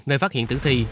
nơi phát hiện tử thi